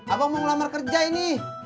abang mau ngelamar kerja ini